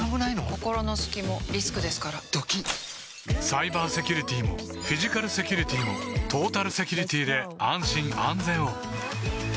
心の隙もリスクですからドキッサイバーセキュリティもフィジカルセキュリティもトータルセキュリティで安心・安全を